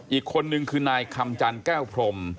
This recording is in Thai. อีกคนนึงคือนายคำจันแก้วพรม